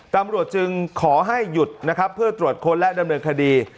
ตำรวจจึงขอให้หยุดนะครับเพื่อตรวจค้นและดำเนินคดี